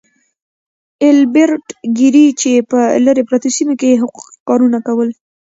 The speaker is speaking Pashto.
ايلبرټ ګيري چې په لرې پرتو سيمو کې يې حقوقي کارونه کول.